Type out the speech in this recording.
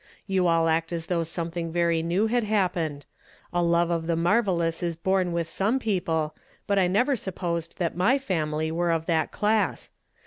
You all act as though something very new had happened. A love of the marvellous is born with some people, but I never supposed that my family were of that class.